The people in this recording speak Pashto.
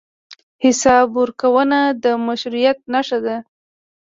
حساب ورکونه د مشروعیت نښه ده.